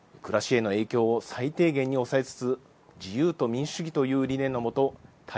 暮らしへの影響を最低限に抑えつつ自由と民主主義という理念の下対